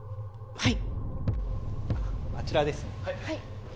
はい。